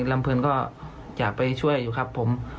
ลำเพลินก็อยากไปช่วยอยู่ครับผม